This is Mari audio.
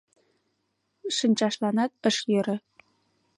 Шанчашланат ыш йӧрӧ.